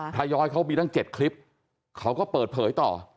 ย้อยเขามีตั้ง๗คลิปเขาก็เปิดเผยต่อ